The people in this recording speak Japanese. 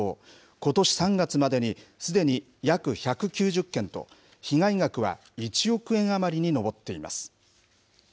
ことし３月までにすでに約１９０件と、被害額は１億円余りに上っています。